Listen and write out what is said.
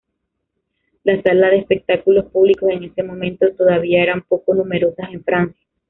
Las salas de espectáculos públicos en ese momento todavía eran poco numerosas en Francia.